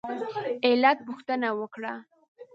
علت پوښتنه وکړه.